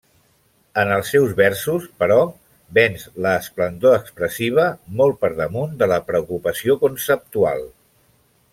En els seus versos, però, venç l'esplendor expressiva, molt per damunt de la preocupació conceptual.